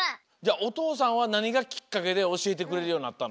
おとうさんはなにがきっかけでおしえてくれるようになったの？